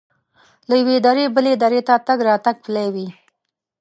له یوې درې بلې درې ته تګ راتګ پلی وي.